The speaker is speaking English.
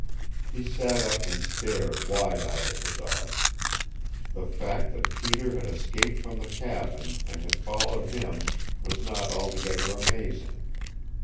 He sat up and stared wide eyed at the dog. The fact that Peter had escaped from the cabin, and had followed him, was not altogether amazing.